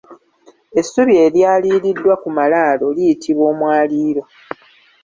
Essubi eryaliriddwa ku malaalo liyitibwa Omwaliiro.